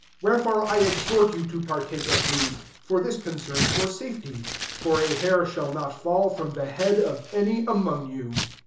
34 Wherefore I exhort you to partake of food: for this con« cerns your safety : for a hail shall not fall from the hcadd any among you.''